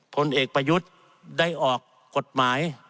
ผลเอกประยุทธ์ได้ออกกฎหมาย